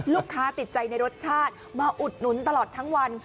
ติดใจในรสชาติมาอุดหนุนตลอดทั้งวัน